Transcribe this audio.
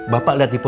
bapak udah tiba tiba